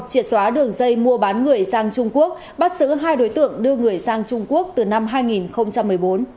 triệt xóa đường dây mua bán người sang trung quốc bắt xử hai đối tượng đưa người sang trung quốc từ năm hai nghìn một mươi bốn